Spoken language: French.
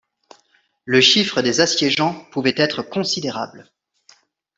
Le chiffre des assiégeants pouvait être considérable.